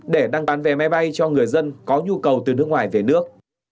để đăng bán vé máy bay cho người dân có nhu cầu từ nước ngoài về nước